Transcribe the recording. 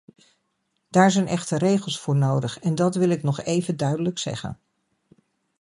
Daar zijn echter regels voor nodig, en dat wil ik nog even duidelijk zeggen.